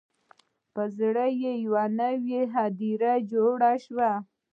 په زړه یې یوه نوي هدیره جوړه شوه